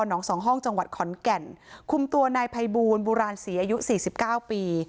สองห้องจังหวัดขอนแก่นคุมตัวนายภัยบูลบุราณศรีอายุสี่สิบเก้าปี